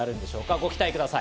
ご期待ください。